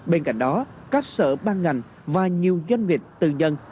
bên cạnh đó các sở ban ngành và nhiều doanh nghiệp tư nhân